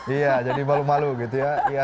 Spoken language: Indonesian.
iya jadi malu malu gitu ya